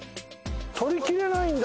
取りきれないんだ。